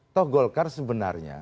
tuh golkar sebetulnya